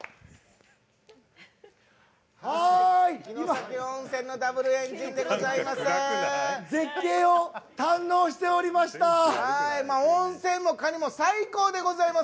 城崎温泉のＷエンジンでございます。